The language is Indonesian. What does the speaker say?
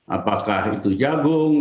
apakah itu jagung